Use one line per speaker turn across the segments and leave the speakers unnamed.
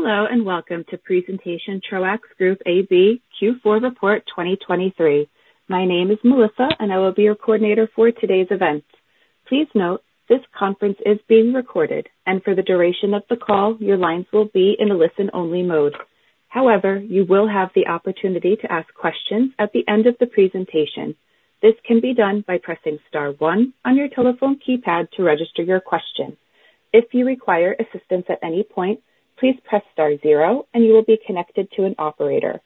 Hello and welcome to presentation Troax Group AB Q4 report 2023. My name is Melissa, and I will be your coordinator for today's event. Please note, this conference is being recorded, and for the duration of the call, your lines will be in a listen-only mode. However, you will have the opportunity to ask questions at the end of the presentation. This can be done by pressing star 1 on your telephone keypad to register your question. If you require assistance at any point, please press star 0, and you will be connected to an operator.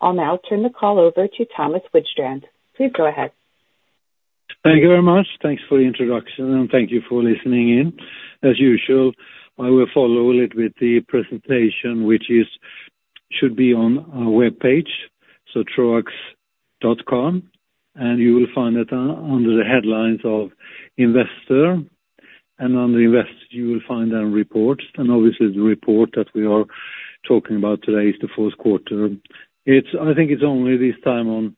I'll now turn the call over to Thomas Widstrand. Please go ahead.
Thank you very much. Thanks for the introduction, and thank you for listening in. As usual, I will follow it with the presentation, which should be on our web page, so Troax.com, and you will find it under the headlines of Investor. Under Investor, you will find our reports. Obviously, the report that we are talking about today is the fourth quarter. I think it's only this time on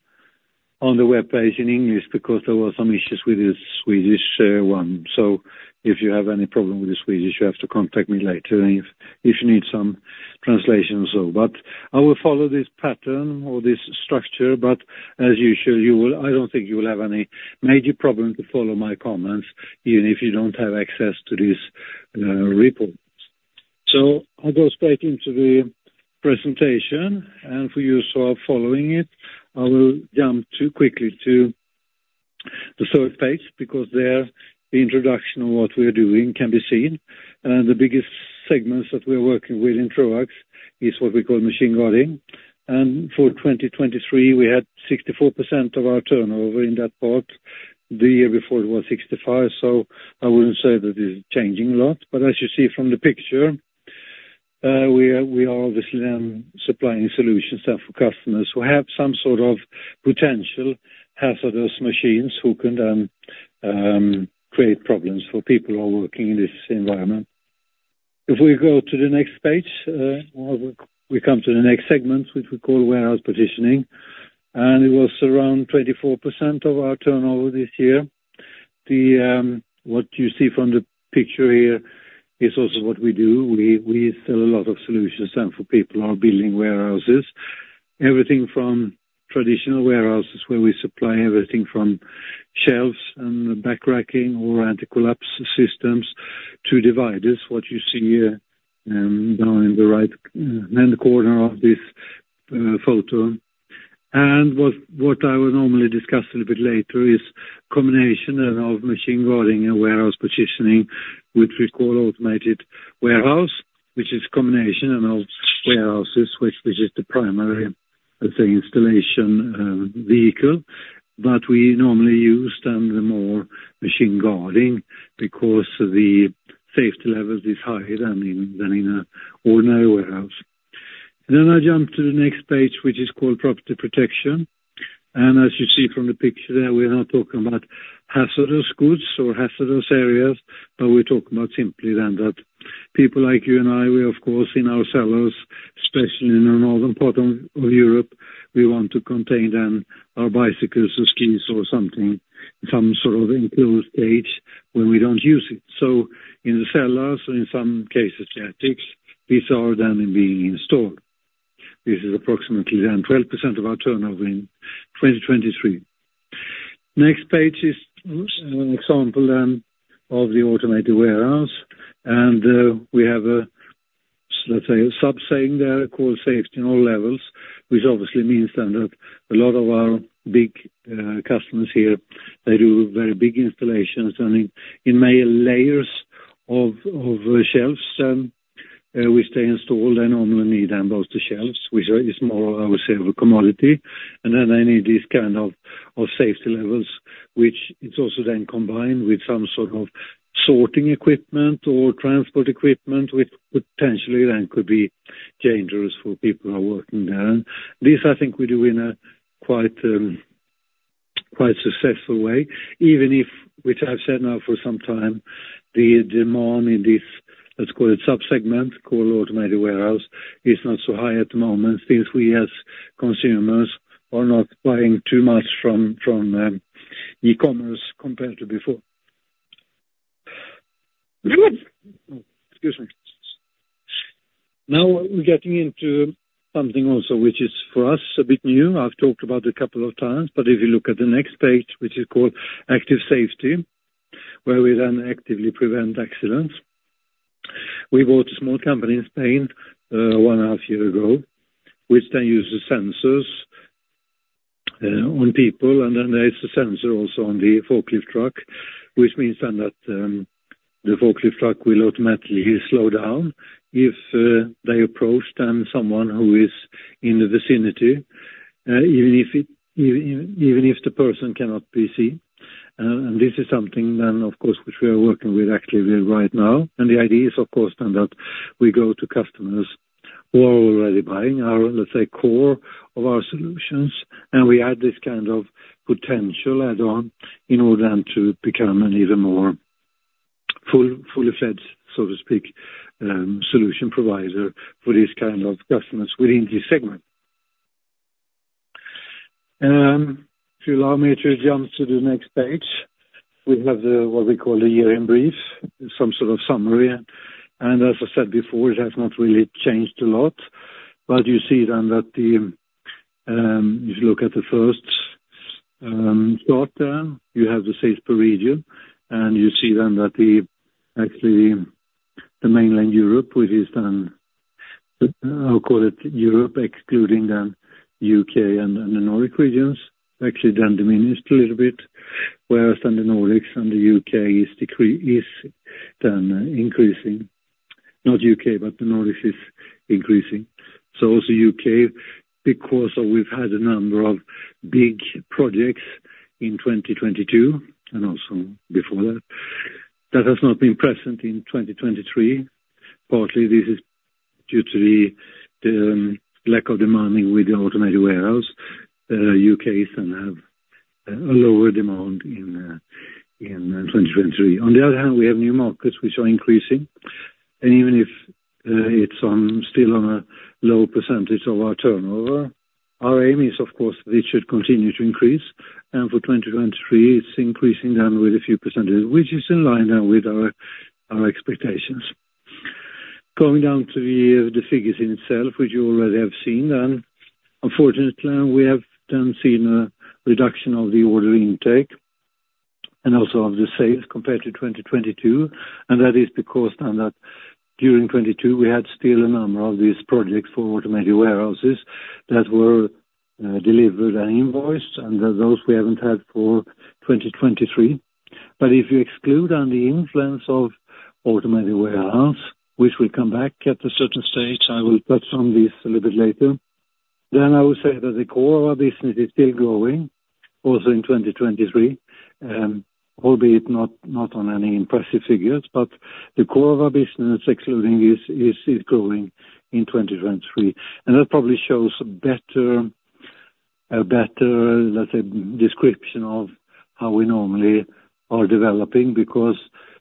the web page in English because there were some issues with the Swedish one. If you have any problem with the Swedish, you have to contact me later if you need some translation or so. I will follow this pattern or this structure. As usual, I don't think you will have any major problem to follow my comments, even if you don't have access to this report. I'll go straight into the presentation. For you who are following it, I will jump quickly to the third page because there the introduction of what we are doing can be seen. The biggest segments that we are working with in Troax is what we call machine guarding. For 2023, we had 64% of our turnover in that part. The year before, it was 65%. I wouldn't say that it's changing a lot. As you see from the picture, we are obviously then supplying solutions for customers who have some sort of potential hazardous machines who can then create problems for people who are working in this environment. If we go to the next page, we come to the next segment, which we call warehouse partitioning. It was around 24% of our turnover this year. What you see from the picture here is also what we do. We sell a lot of solutions for people who are building warehouses, everything from traditional warehouses where we supply everything from shelves and back racking or anti-collapse systems to dividers, what you see down in the right-hand corner of this photo. What I will normally discuss a little bit later is a combination of machine guarding and warehouse partitioning, which we call automated warehouse, which is a combination of warehouses, which is the primary, let's say, installation vehicle. But we normally use then the more machine guarding because the safety level is higher than in an ordinary warehouse. Then I jump to the next page, which is called property protection. As you see from the picture there, we're not talking about hazardous goods or hazardous areas, but we're talking about simply then that people like you and I, we, of course, in our cellars, especially in the northern part of Europe, we want to contain then our bicycles or skis or something, some sort of enclosed cage when we don't use it. So in the cellars, or in some cases, attics, these are then being installed. This is approximately then 12% of our turnover in 2023. Next page is an example then of the automated warehouse. And we have a, let's say, a sub-segment there called safety on all levels, which obviously means then that a lot of our big customers here, they do very big installations. In many layers of shelves, which they install, they normally need then both the shelves, which is more, I would say, of a commodity. Then they need these kind of safety levels, which is also then combined with some sort of sorting equipment or transport equipment, which potentially then could be dangerous for people who are working there. And this, I think, we do in a quite successful way, even if, which I've said now for some time, the demand in this, let's call it, sub-segment called automated warehouse is not so high at the moment since we, as consumers, are not buying too much from e-commerce compared to before. Excuse me. Now we're getting into something also, which is for us a bit new. I've talked about it a couple of times. But if you look at the next page, which is called active safety, where we then actively prevent accidents, we bought a small company in Spain one and a half years ago, which then uses sensors on people. And then there is a sensor also on the forklift truck, which means then that the forklift truck will automatically slow down if they approach then someone who is in the vicinity, even if the person cannot be seen. And this is something then, of course, which we are working with actively right now. And the idea is, of course, then that we go to customers who are already buying our, let's say, core of our solutions, and we add this kind of potential add-on in order then to become an even more full-fledged, so to speak, solution provider for these kind of customers within this segment. If you allow me to jump to the next page, we have what we call a year in brief, some sort of summary. As I said before, it has not really changed a lot. But you see then that if you look at the first chart there, you have the Sales per region. And you see then that actually the mainland Europe, which is then, I'll call it, Europe, excluding then the U.K. and the Nordic regions, actually then diminished a little bit, whereas then the Nordics and the U.K. is then increasing. Not U.K., but the Nordics is increasing. So also U.K., because we've had a number of big projects in 2022 and also before that, that has not been present in 2023. Partly, this is due to the lack of demand with the automated warehouse. U.K. then have a lower demand in 2023. On the other hand, we have new markets, which are increasing. Even if it's still on a low percentage of our turnover, our aim is, of course, that it should continue to increase. For 2023, it's increasing with a few percentages, which is in line with our expectations. Going down to the figures themselves, which you already have seen, unfortunately, we have seen a reduction of the order intake and also of the sales compared to 2022. That is because that during 2022, we had still a number of these projects for automated warehouses that were delivered and invoiced, and those we haven't had for 2023. But if you exclude then the influence of automated warehouse, which will come back at a certain stage, I will touch on this a little bit later, then I would say that the core of our business is still growing also in 2023, albeit not on any impressive figures. But the core of our business, excluding this, is growing in 2023. And that probably shows a better, let's say, description of how we normally are developing because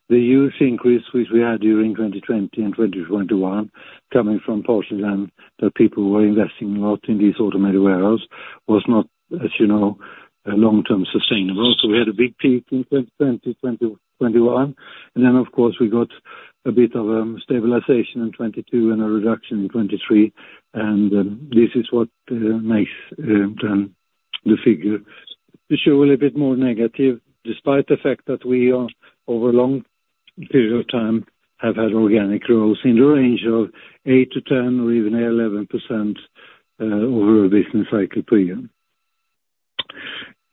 the huge increase which we had during 2020 and 2021, coming from partially then that people were investing a lot in these automated warehouses, was not, as you know, long-term sustainable. So we had a big peak in 2020, 2021. And then, of course, we got a bit of a stabilization in 2022 and a reduction in 2023. And this is what makes then the figure. To show a little bit more negative, despite the fact that we over a long period of time have had organic growth in the range of 8%-10% or even 8%-11% over a business cycle per year.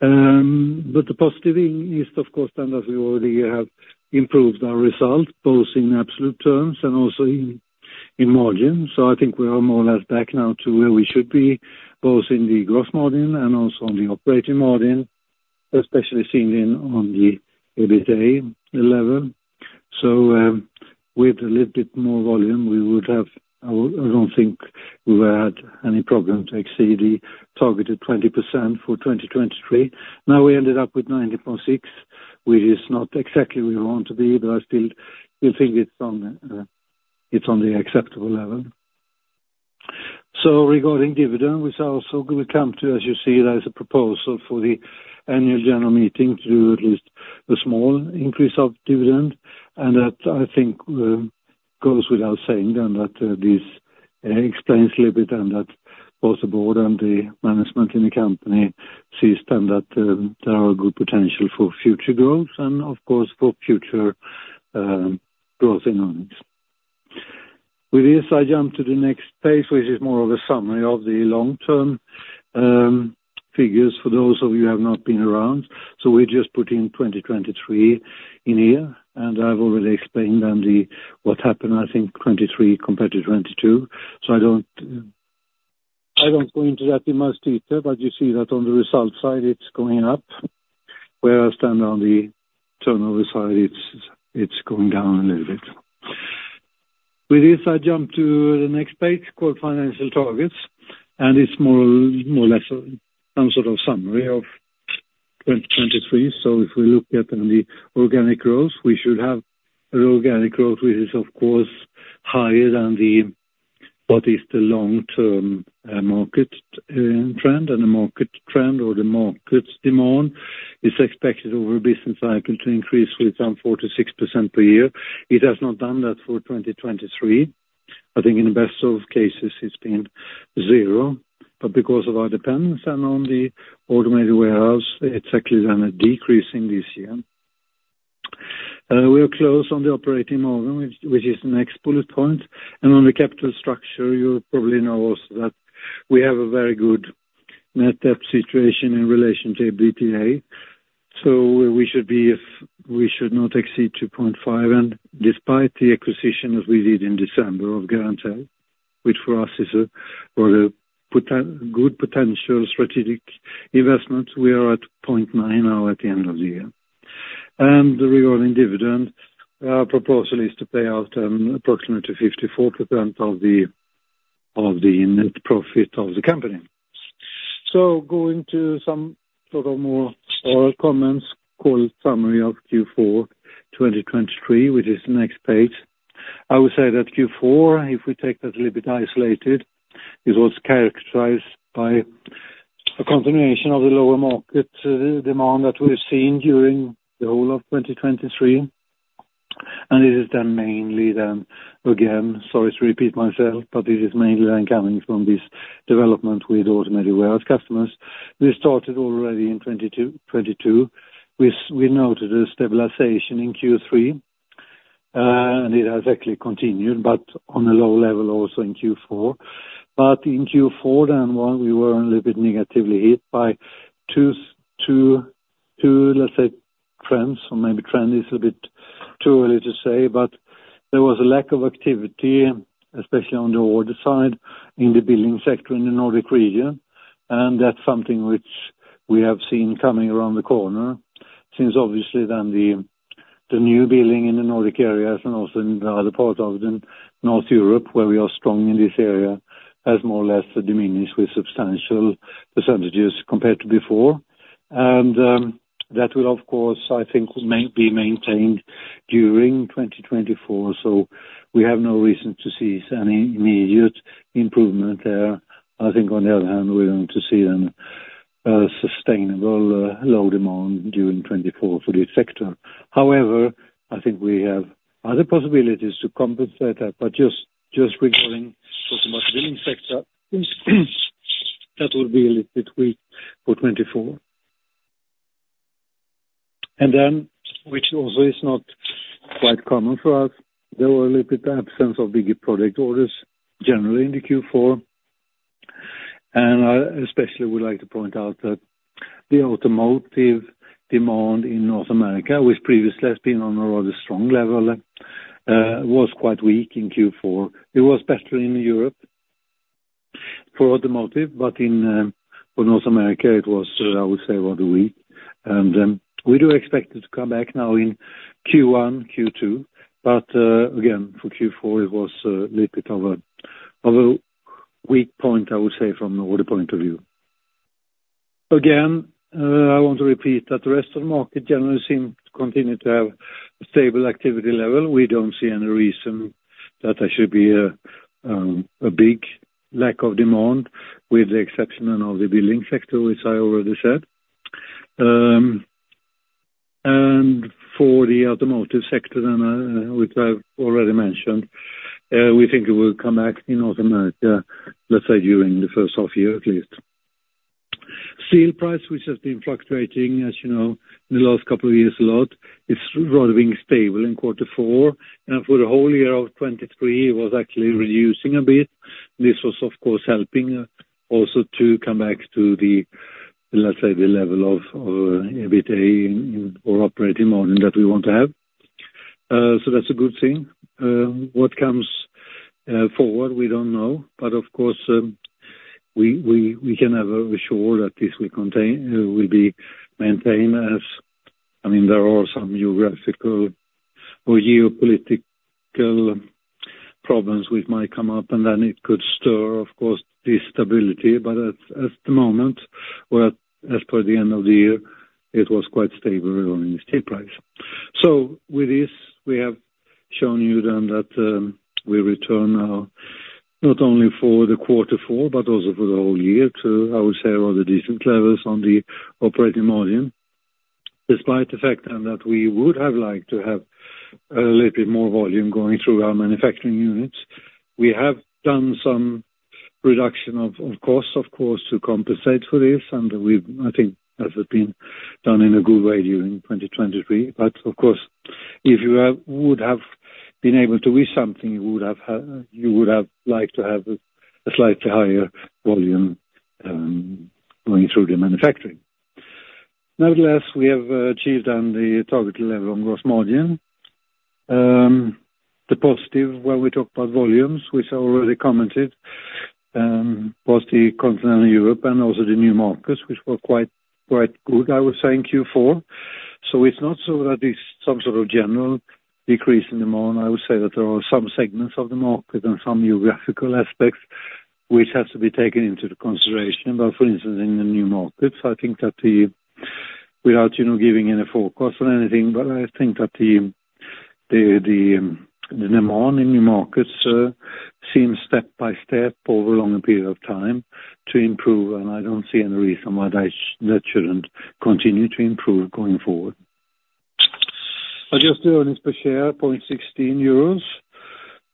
But the positive thing is, of course, then that we already have improved our results both in absolute terms and also in margin. So I think we are more or less back now to where we should be, both in the gross margin and also on the operating margin, especially seen on the EBITDA level. So with a little bit more volume, we would have I don't think we would have had any problem to exceed the targeted 20% for 2023. Now we ended up with 90.6, which is not exactly where we want to be, but I still think it's on the acceptable level. So regarding dividend, which I also will come to, as you see, there is a proposal for the annual general meeting to do at least a small increase of dividend. And that, I think, goes without saying then that this explains a little bit then that both the board and the management in the company sees then that there are good potential for future growth and, of course, for future growth in earnings. With this, I jump to the next page, which is more of a summary of the long-term figures for those of you who have not been around. So we're just putting 2023 in here. And I've already explained then what happened, I think, 2023 compared to 2022. So I don't go into that in much detail. But you see that on the result side, it's going up. Whereas then on the turnover side, it's going down a little bit. With this, I jump to the next page called financial targets. It's more or less some sort of summary of 2023. If we look at then the organic growth, we should have an organic growth which is, of course, higher than what is the long-term market trend. The market trend or the market demand is expected over a business cycle to increase with some 4%-6% per year. It has not done that for 2023. I think in the best of cases, it's been zero. But because of our dependence then on the automated warehouse, it's actually then decreasing this year. We are close on the operating margin, which is the next bullet point. On the capital structure, you probably know also that we have a very good net debt situation in relation to EBITDA. So we should be if we should not exceed 2.5. Despite the acquisition that we did in December of Garantell, which for us is a good potential strategic investment, we are at 0.9 now at the end of the year. Regarding dividend, our proposal is to pay out approximately 54% of the net profit of the company. Going to some sort of more oral comments called summary of Q4 2023, which is the next page, I would say that Q4, if we take that a little bit isolated, is what's characterized by a continuation of the lower market demand that we've seen during the whole of 2023. This is then mainly then again, sorry to repeat myself, but this is mainly then coming from this development with automated warehouse customers. We started already in 2022. We noted a stabilization in Q3. It has actually continued but on a low level also in Q4. In Q4 then, we were a little bit negatively hit by two, let's say, trends. Or maybe trend is a little bit too early to say. There was a lack of activity, especially on the order side in the building sector in the Nordic region. That's something which we have seen coming around the corner since, obviously, then the new building in the Nordic areas and also in the other part of North Europe, where we are strong in this area, has more or less diminished with substantial percentages compared to before. That will, of course, I think, be maintained during 2024. So we have no reason to see any immediate improvement there. I think, on the other hand, we're going to see then sustainable low demand during 2024 for this sector. However, I think we have other possibilities to compensate that. But just regarding talking about the building sector, that would be a little bit weak for 2024. And then, which also is not quite common for us, there were a little bit of absence of bigger project orders generally in the Q4. And I especially would like to point out that the automotive demand in North America, which previously has been on a rather strong level, was quite weak in Q4. It was better in Europe for automotive. But for North America, it was, I would say, rather weak. We do expect it to come back now in Q1, Q2. But again, for Q4, it was a little bit of a weak point, I would say, from the order point of view. Again, I want to repeat that the rest of the market generally seemed to continue to have a stable activity level. We don't see any reason that there should be a big lack of demand with the exception then of the building sector, which I already said. And for the automotive sector then, which I've already mentioned, we think it will come back in North America, let's say, during the first half year at least. Steel price, which has been fluctuating, as you know, in the last couple of years a lot, is rather being stable in quarter four. And for the whole year of 2023, it was actually reducing a bit. This was, of course, helping also to come back to, let's say, the level of EBITDA or operating margin that we want to have. So that's a good thing. What comes forward, we don't know. But of course, we can never assure that this will be maintained, as I mean, there are some geographical or geopolitical problems which might come up. And then it could stir, of course, this stability. But at the moment, as per the end of the year, it was quite stable regarding the steel price. So with this, we have shown you then that we return now not only for the quarter four but also for the whole year to, I would say, rather decent levels on the operating margin. Despite the fact then that we would have liked to have a little bit more volume going through our manufacturing units, we have done some reduction of costs, of course, to compensate for this. I think that's been done in a good way during 2023. Of course, if you would have been able to wish something, you would have liked to have a slightly higher volume going through the manufacturing. Nevertheless, we have achieved then the targeted level on gross margin. The positive, when we talk about volumes, which I already commented, was continental Europe and also the new markets, which were quite good, I would say, in Q4. It's not so that it's some sort of general decrease in demand. I would say that there are some segments of the market and some geographical aspects which have to be taken into consideration. But for instance, in the new markets, I think that without giving any forecasts or anything, but I think that the demand in new markets seems step by step over a longer period of time to improve. And I don't see any reason why that shouldn't continue to improve going forward. Adjusted earnings per share, 0.16 euros.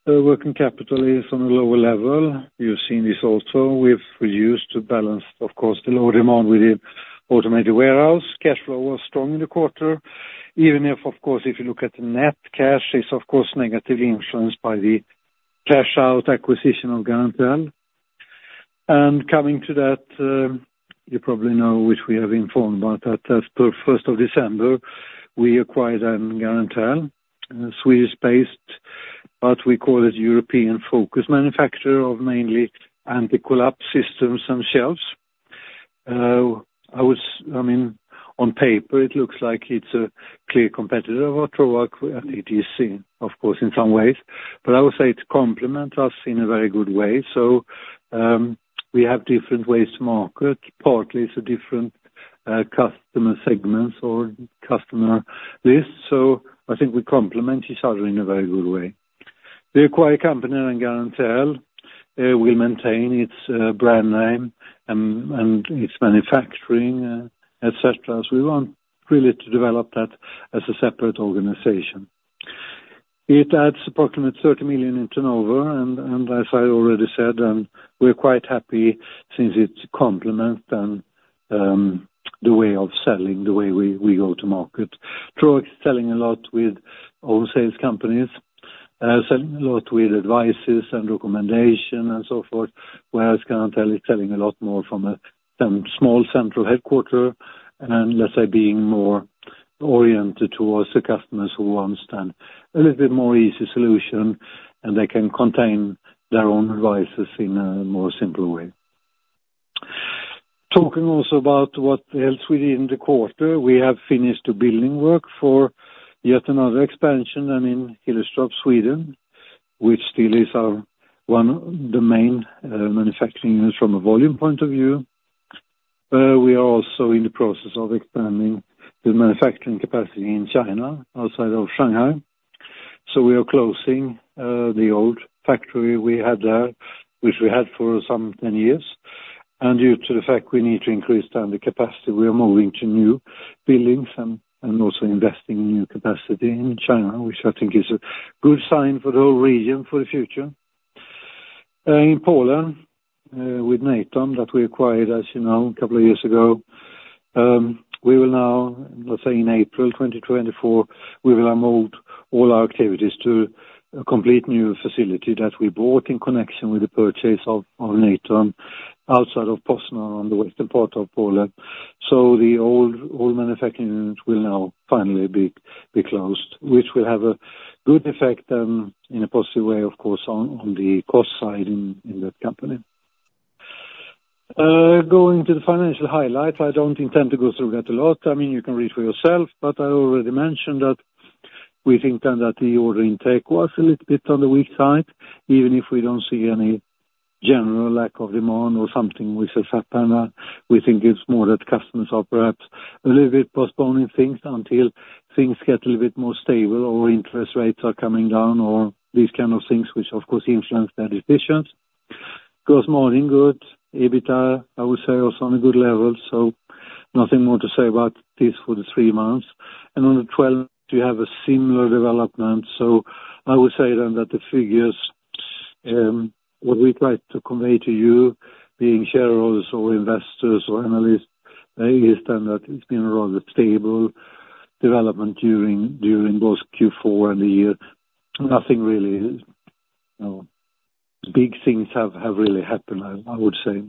Working capital is on a lower level. You've seen this also. We've reduced to balance, of course, the lower demand with the automated warehouse. Cash flow was strong in the quarter. Even if, of course, if you look at the net cash, it's, of course, negatively influenced by the cash-out acquisition of Garantell. And coming to that, you probably know, which we have informed about, that as per 1st of December, we acquired then Garantell, Swedish-based, but we call it European-focused manufacturer of mainly anti-collapse systems and shelves. I mean, on paper, it looks like it's a clear competitor of Troax at etc., of course, in some ways. But I would say it complements us in a very good way. So we have different ways to market. Partly, it's a different customer segments or customer list. So I think we complement each other in a very good way. We acquired company then Garantell. We'll maintain its brand name and its manufacturing, etc., as we want really to develop that as a separate organization. It adds approximately 30 million in turnover. And as I already said, then we're quite happy since it complements then the way of selling, the way we go to market. Troax is selling a lot with own sales companies, selling a lot with advice and recommendations and so forth. Whereas Garantell is selling a lot more from a small central headquarters and, let's say, being more oriented towards the customers who want then a little bit more easy solution. And they can contain their own advice in a more simple way. Talking also about what else we did in the quarter, we have finished the building work for yet another expansion then in Hillerstorp, Sweden, which still is one of the main manufacturing units from a volume point of view. We are also in the process of expanding the manufacturing capacity in China outside of Shanghai. So we are closing the old factory we had there, which we had for some 10 years. Due to the fact we need to increase then the capacity, we are moving to new buildings and also investing in new capacity in China, which I think is a good sign for the whole region for the future. In Poland with Natom that we acquired, as you know, a couple of years ago, we will now, let's say, in April 2024, we will move all our activities to a complete new facility that we bought in connection with the purchase of Natom outside of Poznań on the western part of Poland. So the old manufacturing unit will now finally be closed, which will have a good effect then in a positive way, of course, on the cost side in that company. Going to the financial highlights, I don't intend to go through that a lot. I mean, you can read for yourself. I already mentioned that we think then that the order intake was a little bit on the weak side, even if we don't see any general lack of demand or something which has happened. We think it's more that customers are perhaps a little bit postponing things until things get a little bit more stable or interest rates are coming down or these kind of things, which, of course, influence their decisions. Gross margin, good. EBITDA, I would say, also on a good level. So nothing more to say about this for the three months. On the 12th, we have a similar development. So I would say then that the figures, what we tried to convey to you being shareholders or investors or analysts, is then that it's been a rather stable development during both Q4 and the year. Nothing really big things have really happened, I would say.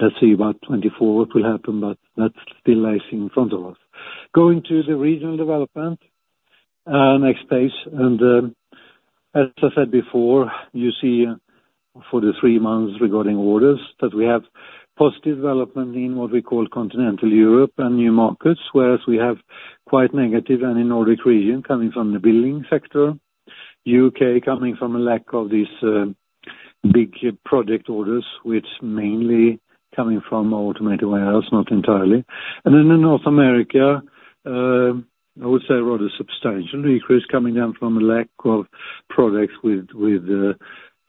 Let's see about 2024 what will happen. But that's still lays in front of us. Going to the regional development, next page. And as I said before, you see for the three months regarding orders that we have positive development in what we call continental Europe and new markets, whereas we have quite negative then in Nordic region coming from the building sector, U.K. coming from a lack of these big project orders, which mainly coming from automated warehouse, not entirely. And then in North America, I would say rather substantial decrease coming down from a lack of products with the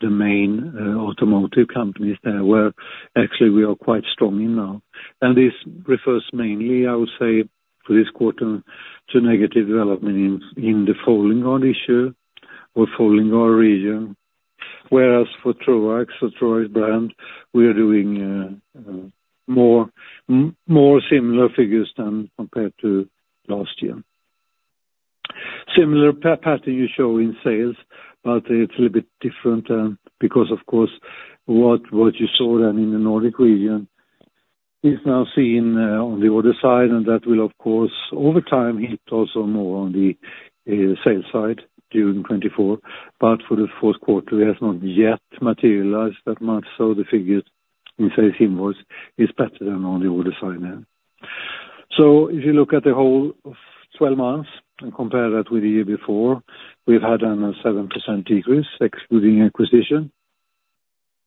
main automotive companies there where actually we are quite strong in now. And this refers mainly, I would say, for this quarter to negative development in the Folding Guard region. Whereas for Troax, so Troax brand, we are doing more similar figures than compared to last year. Similar pattern you show in sales. But it's a little bit different because, of course, what you saw then in the Nordic region is now seen on the order side. And that will, of course, over time hit also more on the sales side during 2024. But for the fourth quarter, it has not yet materialized that much. So the figures in sales invoice is better than on the order side then. So if you look at the whole 12 months and compare that with the year before, we've had then a 7% decrease excluding acquisition.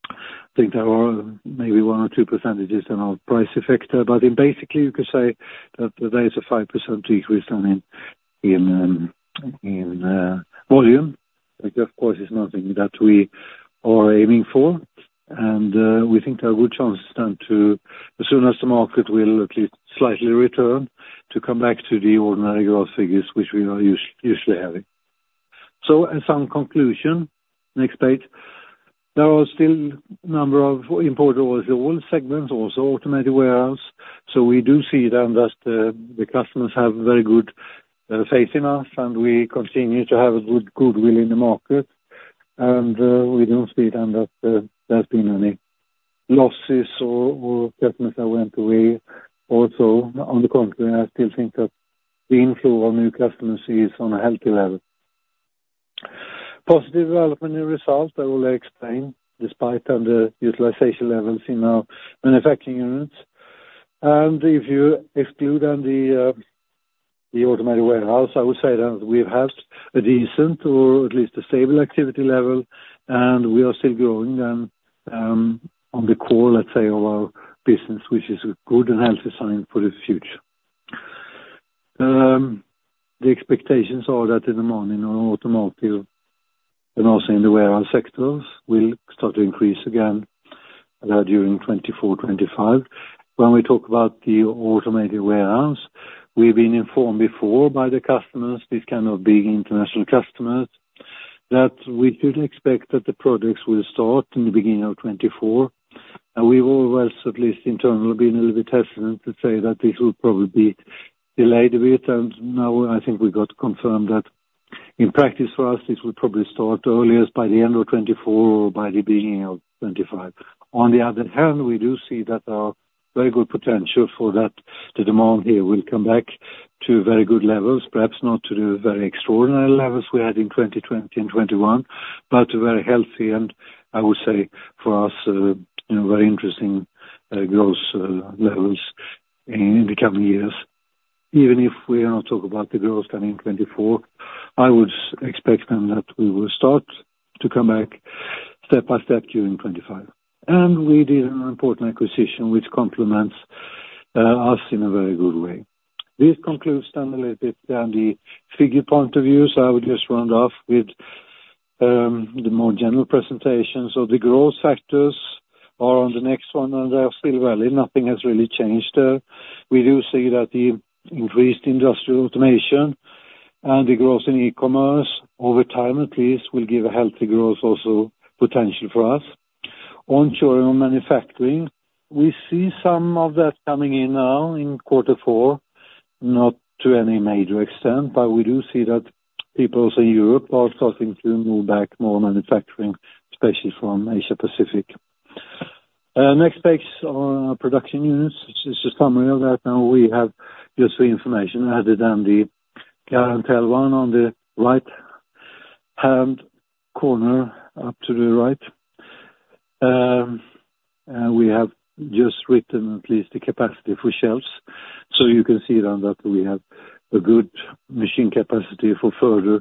I think there are maybe 1 or 2% then of price effect. But basically, you could say that there is a 5% decrease then in volume, which, of course, is nothing that we are aiming for. We think there are good chances then to, as soon as the market will at least slightly return, come back to the ordinary growth figures, which we are usually having. As some conclusion, next page, there are still a number of imported orders in all segments, also automated warehouse. We do see then that the customers have very good faith in us. We continue to have a good will in the market. We don't see then that there's been any losses or customers that went away. Also, on the contrary, I still think that the inflow of new customers is on a healthy level. Positive development in result, I will explain, despite then the utilization levels in our manufacturing units. If you exclude then the automated warehouse, I would say then we've had a decent or at least a stable activity level. We are still growing then on the core, let's say, of our business, which is a good and healthy sign for the future. The expectations are that in the margin on automotive and also in the warehouse sectors will start to increase again during 2024, 2025. When we talk about the automated warehouse, we've been informed before by the customers, these kind of big international customers, that we should expect that the products will start in the beginning of 2024. We've always, at least internally, been a little bit hesitant to say that this will probably be delayed a bit. Now, I think we got confirmed that in practice for us, this will probably start earliest by the end of 2024 or by the beginning of 2025. On the other hand, we do see that there are very good potential for that the demand here will come back to very good levels, perhaps not to the very extraordinary levels we had in 2020 and 2021, but to very healthy and, I would say, for us, very interesting growth levels in the coming years. Even if we are not talking about the growth then in 2024, I would expect then that we will start to come back step by step during 2025. And we did an important acquisition, which complements us in a very good way. This concludes then a little bit then the figure point of view. So I would just round off with the more general presentation. So the growth factors are on the next one. And they are still valid. Nothing has really changed there. We do see that the increased industrial automation and the growth in e-commerce over time, at least, will give a healthy growth also potential for us. Onshore and manufacturing, we see some of that coming in now in quarter four, not to any major extent. But we do see that people also in Europe are starting to move back more manufacturing, especially from Asia-Pacific. Next page on production units, which is a summary of that. Now, we have just the information added then the Garantell one on the right-hand corner up to the right. And we have just written at least the capacity for shelves. So you can see then that we have a good machine capacity for further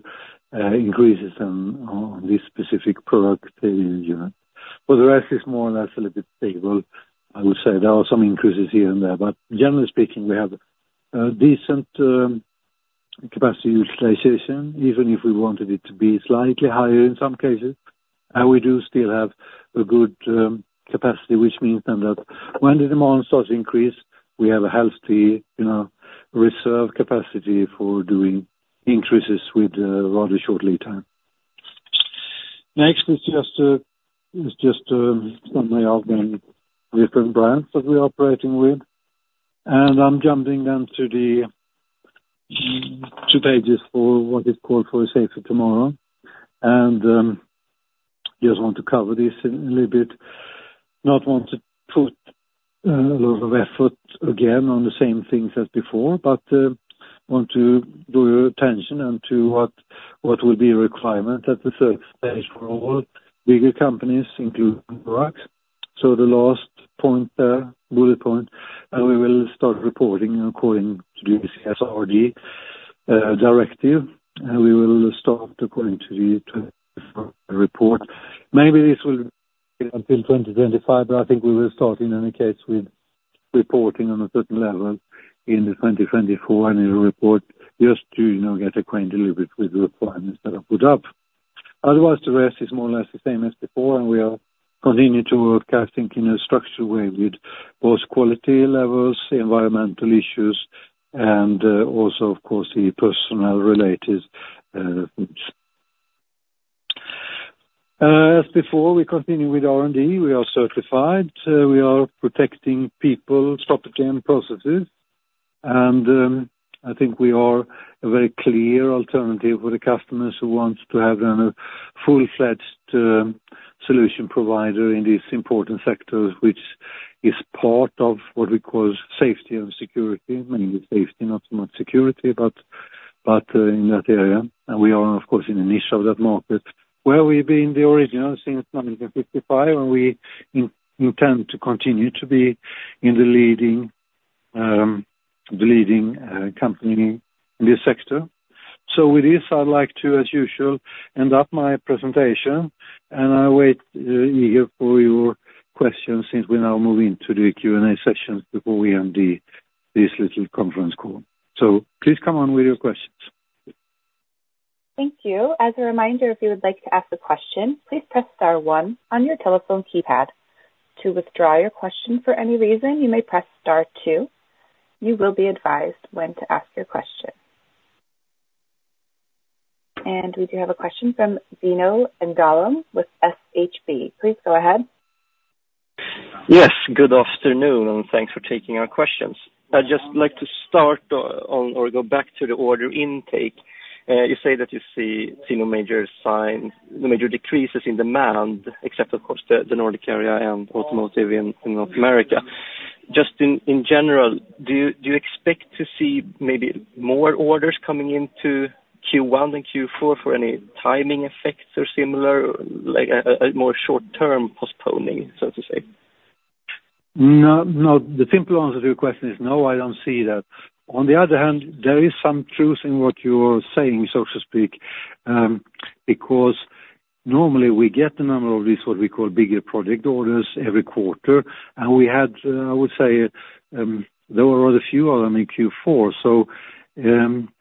increases then on this specific product unit. For the rest, it's more or less a little bit stable, I would say. There are some increases here and there. Generally speaking, we have decent capacity utilization, even if we wanted it to be slightly higher in some cases. We do still have a good capacity, which means then that when the demand starts to increase, we have a healthy reserve capacity for doing increases with rather short lead time. Next is just a summary of then different brands that we're operating with. I'm jumping then to the two pages for what is called for a safer tomorrow. Just want to cover this a little bit. Not want to put a lot of effort again on the same things as before, but want to draw your attention then to what will be a requirement at the third stage for all bigger companies, including Troax. The last point there, bullet point, and we will start reporting according to the CSRD directive. We will start according to the 2024 report. Maybe this will be until 2025. But I think we will start, in any case, with reporting on a certain level in the 2024 and in a report just to get acquainted a little bit with the requirements that are put up. Otherwise, the rest is more or less the same as before. We are continuing to work, I think, in a structured way with both quality levels, environmental issues, and also, of course, the personal-related things. As before, we continue with R&D. We are certified. We are protecting people, stop-again processes. I think we are a very clear alternative for the customers who want to have then a full-fledged solution provider in these important sectors, which is part of what we call safety and security, mainly safety, not so much security, but in that area. We are, of course, in a niche of that market where we've been the original since 1955. We intend to continue to be in the leading company in this sector. With this, I'd like to, as usual, end up my presentation. I wait eager for your questions since we now move into the Q&A sessions before we end this little conference call. Please come on with your questions.
Thank you. As a reminder, if you would like to ask a question, please press star 1 on your telephone keypad. To withdraw your question for any reason, you may press star 2. You will be advised when to ask your question. We do have a question from Zino Engdalen with SHB. Please go ahead.
Yes. Good afternoon. Thanks for taking our questions. I'd just like to start on or go back to the order intake. You say that you see no major decreases in demand, except, of course, the Nordic area and automotive in North America. Just in general, do you expect to see maybe more orders coming into Q1 than Q4 for any timing effects or similar, more short-term postponing, so to say?
No. The simple answer to your question is no. I don't see that. On the other hand, there is some truth in what you are saying, so to speak, because normally, we get a number of these what we call bigger project orders every quarter. And we had, I would say, there were rather few of them in Q4. So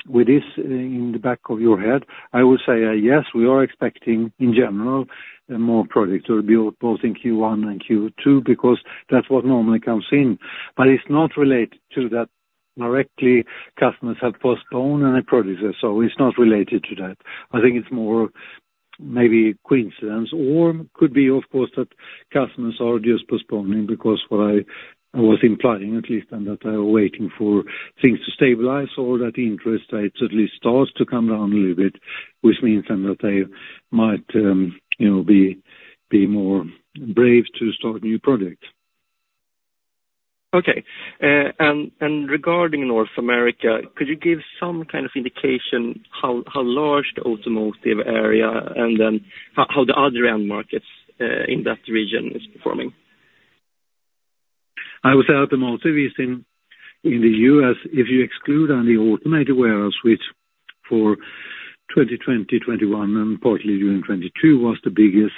with this in the back of your head, I would say, yes, we are expecting, in general, more products to be both in Q1 and Q2 because that's what normally comes in. But it's not related to that directly. Customers have postponed any products. So it's not related to that. I think it's more maybe coincidence or could be, of course, that customers are just postponing because what I was implying, at least then, that they are waiting for things to stabilize or that interest rates at least start to come down a little bit, which means then that they might be more brave to start new projects.
Okay. Regarding North America, could you give some kind of indication how large the automotive area and then how the other end markets in that region is performing?
I would say automotive is in the US, if you exclude then the automated warehouse, which for 2020, 2021, and partly during 2022 was the biggest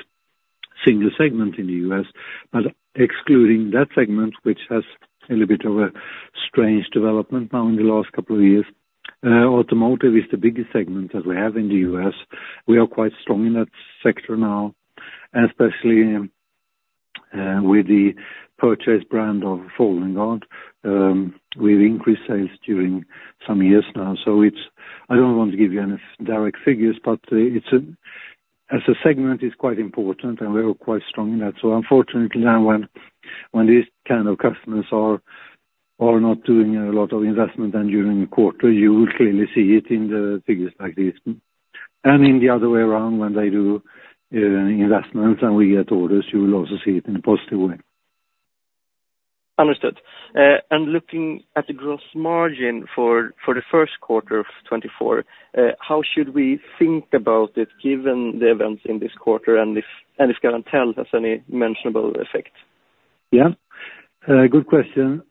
single segment in the US. But excluding that segment, which has a little bit of a strange development now in the last couple of years, automotive is the biggest segment that we have in the US. We are quite strong in that sector now, especially with the purchase brand of Folding Guard. We've increased sales during some years now. So I don't want to give you any direct figures. But as a segment, it's quite important. And we are quite strong in that. So unfortunately, then when these kind of customers are not doing a lot of investment then during the quarter, you will clearly see it in the figures like this. In the other way around, when they do investments and we get orders, you will also see it in a positive way.
Understood. And looking at the gross margin for the first quarter of 2024, how should we think about it given the events in this quarter and if Garantell has any mentionable effect?
Yeah. Good question.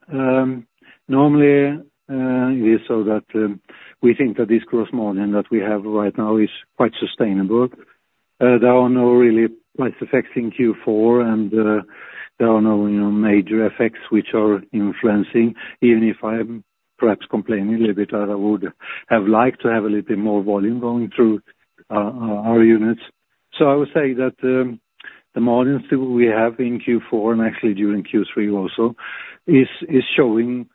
Normally, it is so that we think that this gross margin that we have right now is quite sustainable. There are no real price effects in Q4. There are no major effects which are influencing. Even if I'm perhaps complaining a little bit that I would have liked to have a little bit more volume going through our units. So I would say that the margins that we have in Q4 and actually during Q3 also is showing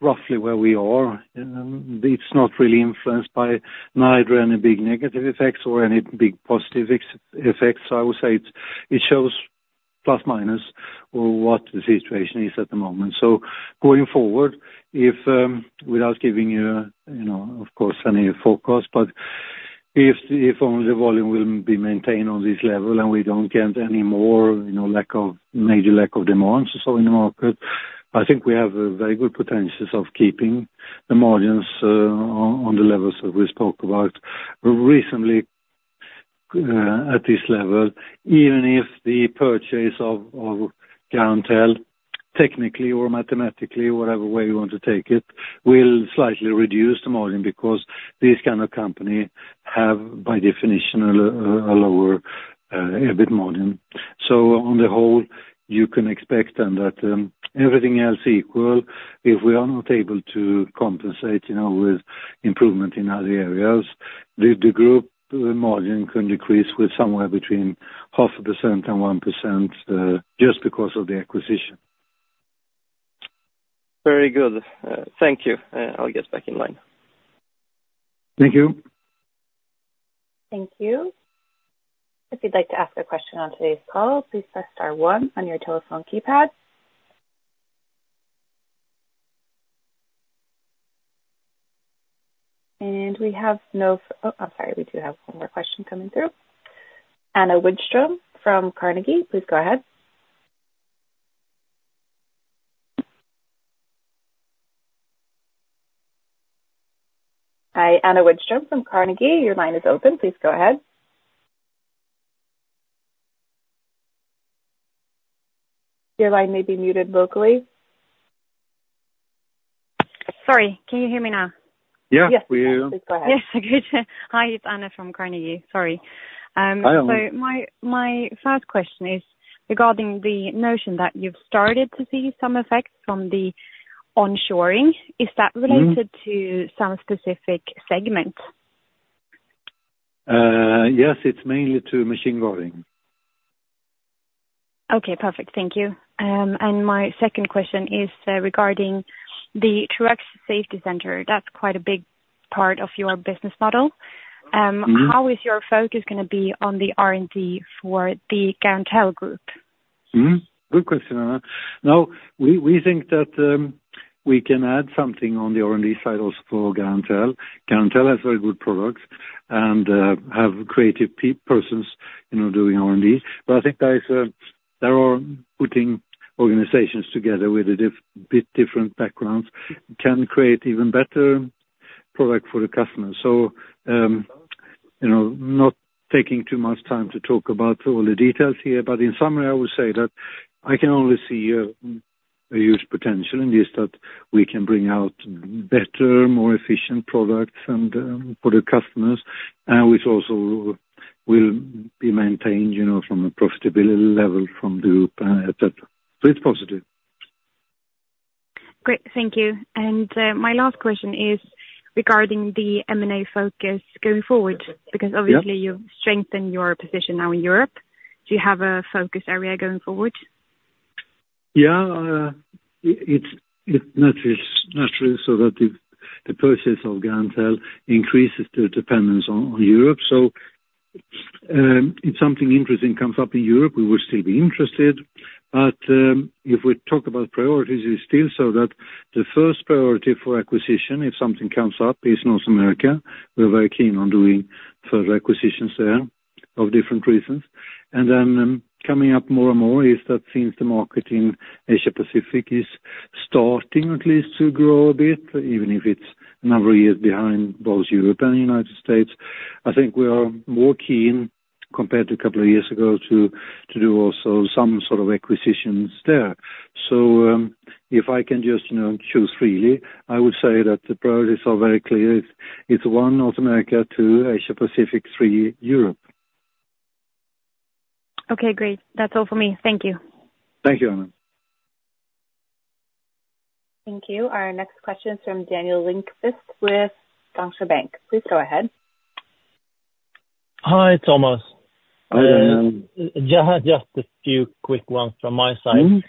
roughly where we are. It's not really influenced by neither any big negative effects or any big positive effects. So I would say it shows plus-minus what the situation is at the moment. So going forward, without giving you, of course, any forecast, but if only the volume will be maintained on this level and we don't get any more major lack of demand or so in the market, I think we have a very good potential of keeping the margins on the levels that we spoke about recently at this level, even if the purchase of Garantell, technically or mathematically, whatever way you want to take it, will slightly reduce the margin because these kind of company have, by definition, a lower EBIT margin. So on the whole, you can expect then that everything else equal, if we are not able to compensate with improvement in other areas, the group margin can decrease with somewhere between 0.5% and 1% just because of the acquisition.
Very good. Thank you. I'll get back in line.
Thank you.
Thank you. If you'd like to ask a question on today's call, please press star 1 on your telephone keypad. And we have, I'm sorry. We do have one more question coming through. Anna Widström from Carnegie, please go ahead. Hi, Anna Widström from Carnegie. Your line is open. Please go ahead. Your line may be muted locally.
Sorry. Can you hear me now?
Yeah. We are.
Yes. Please go ahead. Yes. Hi. It's Anna from Carnegie. Sorry.
Hi, Anna.
My first question is regarding the notion that you've started to see some effects from the onshoring. Is that related to some specific segment?
Yes. It's mainly to machine guarding.
Okay. Perfect. Thank you. My second question is regarding the Troax Safety Center. That's quite a big part of your business model. How is your focus going to be on the R&D for the Garantell group?
Good question, Anna. Now, we think that we can add something on the R&D side also for Garantell. Garantell has very good products and have creative persons doing R&D. But I think there are putting organizations together with a bit different backgrounds can create even better product for the customers. So not taking too much time to talk about all the details here. But in summary, I would say that I can only see a huge potential in this, that we can bring out better, more efficient products for the customers, and which also will be maintained from a profitability level from the group, etc. So it's positive.
Great. Thank you. And my last question is regarding the M&A focus going forward because obviously, you've strengthened your position now in Europe. Do you have a focus area going forward?
Yeah. It's naturally so that the purchase of Garantell increases the dependence on Europe. So if something interesting comes up in Europe, we would still be interested. But if we talk about priorities, it's still so that the first priority for acquisition, if something comes up, is North America. We're very keen on doing further acquisitions there of different reasons. And then coming up more and more is that since the market in Asia-Pacific is starting at least to grow a bit, even if it's a number of years behind both Europe and the United States, I think we are more keen compared to a couple of years ago to do also some sort of acquisitions there. So if I can just choose freely, I would say that the priorities are very clear. It's one, North America; two, Asia-Pacific; three, Europe.
Okay. Great. That's all for me. Thank you.
Thank you, Anna.
Thank you. Our next question is from Daniel Lindkvist with Danske Bank. Please go ahead.
Hi, Thomas.
Hi, Daniel.
Just a few quick ones from my side.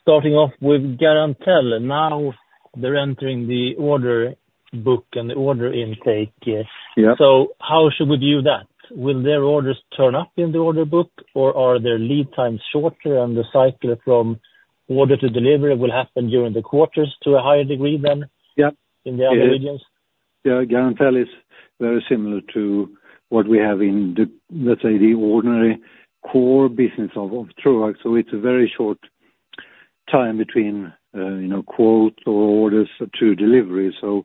Starting off with Garantell, now they're entering the order book and the order intake. How should we view that? Will their orders turn up in the order book, or are their lead times shorter and the cycle from order to delivery will happen during the quarters to a higher degree than in the other regions?
Yeah. Garantell is very similar to what we have in, let's say, the ordinary core business of Troax. So it's a very short time between quote or orders to delivery. So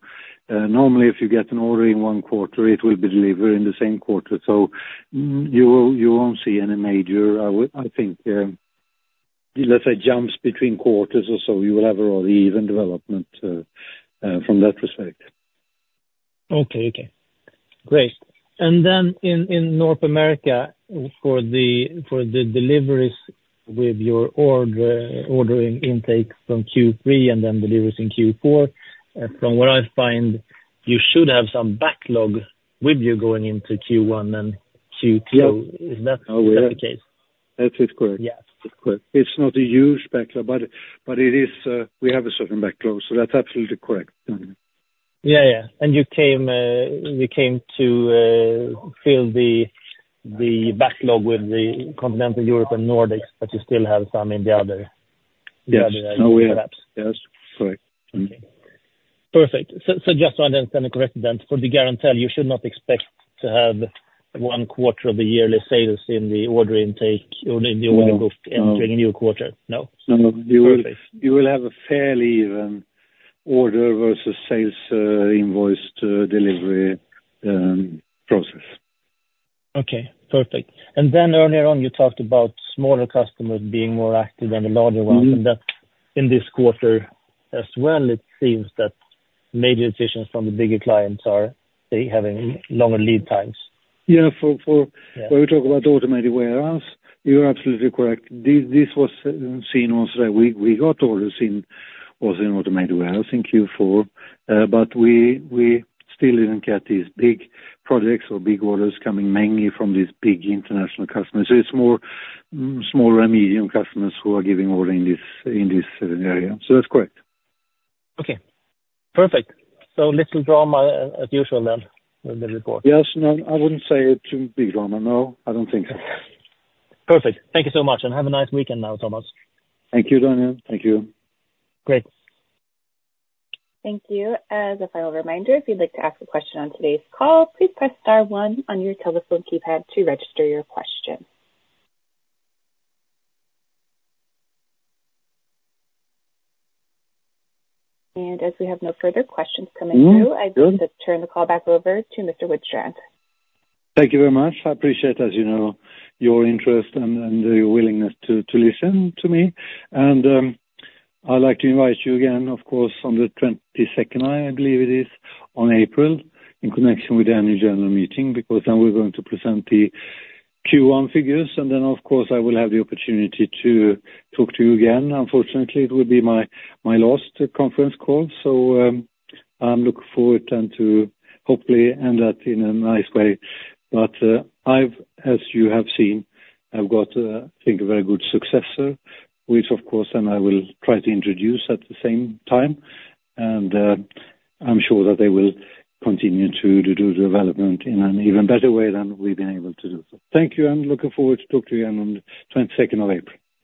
normally, if you get an order in one quarter, it will be delivered in the same quarter. So you won't see any major, I think, let's say, jumps between quarters or so. You will have a rather even development from that respect.
Okay. Okay. Great. And then in North America, for the deliveries with your ordering intake from Q3 and then deliveries in Q4, from what I find, you should have some backlog with you going into Q1 and Q2. Is that the case?
No. That is correct. It's correct. It's not a huge backlog, but we have a certain backlog. So that's absolutely correct.
Yeah. Yeah. And you came to fill the backlog with the continental Europe and Nordics, but you still have some in the other areas, perhaps?
Yes. No. Yes. Correct.
Okay. Perfect. So just to understand the correct event, for the Garantell, you should not expect to have one quarter of the yearly sales in the order intake or in the order book entering a new quarter. No?
No. You will have a fairly even order versus sales invoiced delivery process.
Okay. Perfect. And then earlier on, you talked about smaller customers being more active than the larger ones. And in this quarter as well, it seems that major decisions from the bigger clients are having longer lead times.
Yeah. When we talk about automated warehouse, you're absolutely correct. This was seen once a day. We got orders also in automated warehouse in Q4. But we still didn't get these big projects or big orders coming mainly from these big international customers. So it's more smaller and medium customers who are giving order in this area. So that's correct.
Okay. Perfect. So little drama, as usual, then with the report.
Yes. No. I wouldn't say it's too big drama. No. I don't think so.
Perfect. Thank you so much. And have a nice weekend now, Thomas.
Thank you, Daniel. Thank you.
Great.
Thank you. As a final reminder, if you'd like to ask a question on today's call, please press star 1 on your telephone keypad to register your question. As we have no further questions coming through, I'd like to turn the call back over to Mr. Widstrand.
Thank you very much. I appreciate, as you know, your interest and your willingness to listen to me. I'd like to invite you again, of course, on the 22nd, I believe it is, on April in connection with the annual general meeting because then we're going to present the Q1 figures. Then, of course, I will have the opportunity to talk to you again. Unfortunately, it will be my last conference call. I'm looking forward and to hopefully end that in a nice way. As you have seen, I've got, I think, a very good successor, which, of course, then I will try to introduce at the same time. I'm sure that they will continue to do the development in an even better way than we've been able to do. Thank you. I'm looking forward to talking to you again on the 22nd of April.